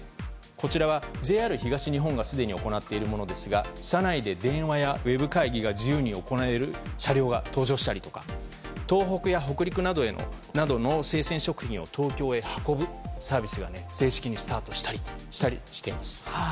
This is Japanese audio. こちらはＪＲ東日本がすでに行っているものですが車内で電話やウェブ会議が自由に行える車両が登場したりとか東北や北陸などの生鮮食品を東京へ運ぶサービスが正式にスタートするなどしています。